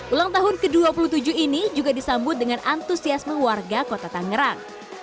ulang tahun ke dua puluh tujuh ini juga disambut dengan antusiasme warga kota tangerang